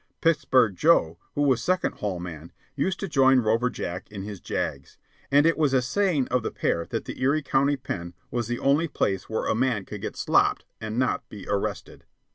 Pittsburg Joe, who was Second Hall man, used to join Rover Jack in his jags; and it was a saying of the pair that the Erie County Pen was the only place where a man could get "slopped" and not be arrested.